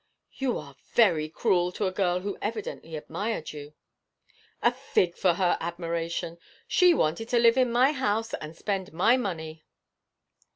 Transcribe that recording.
'You are very cruel to a girl who evidently admired you.' 'A fig for her admiration! She wanted to live in my house and spend my money.'